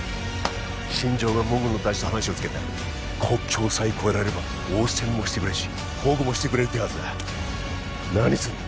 新庄がモンゴルの大使と話をつけてある国境さえ越えられれば応戦もしてくれるし保護もしてくれる手はずだ何すんだ！？